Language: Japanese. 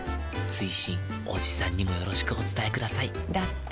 追伸おじさんにもよろしくお伝えくださいだって。